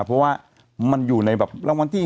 เพราะว่ามันอยู่ในแบบรางวัลที่๑